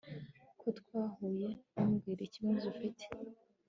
Ko twahuye ntumbwire ikibazo ufite